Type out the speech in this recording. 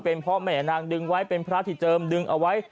เป็นพระเหน็ตนางดึงไว้เป็นพระธิเจิมดึงเอาไว้